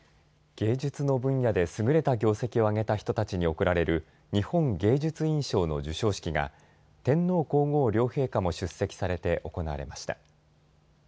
芸術の分野で優れた業績を挙げた人たちに贈られる日本芸術院賞の授賞式が天皇皇后両陛下も出席されて行われました。